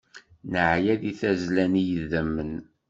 Neya di tazzla n yidammen.